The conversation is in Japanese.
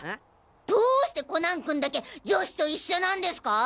どしてコナン君だけ女子と一緒なんですか！？